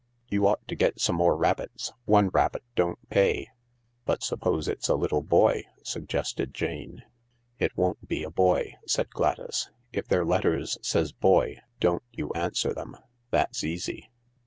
You ought to get some more rabbits. One rabbit don't pay." " But suppose it's a little boy ?" suggested Jane. " It won't be a boy," said Gladys ; "if their letters says ' boy,' don't you answer them. That's easy."